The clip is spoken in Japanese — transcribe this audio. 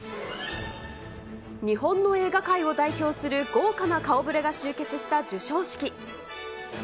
日本の映画界を代表する豪華な顔ぶれが集結した授賞式。